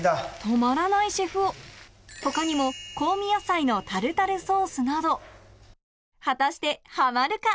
止まらないシェフ男他にも香味野菜のタルタルソースなど果たしてハマるか？